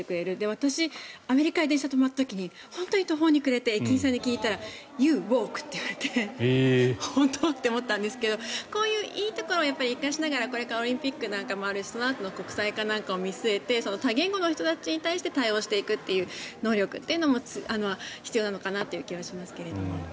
私、アメリカで電車が止まった時に本当に途方に暮れて駅員さんに聞いたらユー・ウォークと言われて本当？って思ったんですけどこういういいところを生かしながらこれからオリンピックなんかもあるしそのあとの国際化なんかもあるし多言語の人たちに対応していくという能力というのも必要なのかなという気がしますけど。